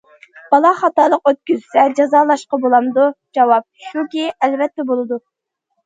بالا خاتالىق ئۆتكۈزسە جازالاشقا بولامدۇ؟ جاۋابى شۇكى، ئەلۋەتتە بولىدۇ.